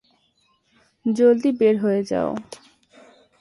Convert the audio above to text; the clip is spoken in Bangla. জলদি বের হয়ে যাও।